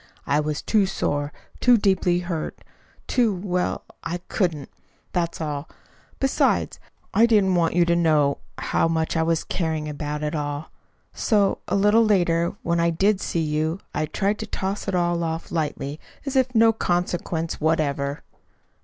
I was too sore, too deeply hurt, too well, I couldn't. That's all. Besides, I didn't want you to know how much I was caring about it all. So, a little later, when I did see you, I tried to toss it all off lightly, as of no consequence whatever."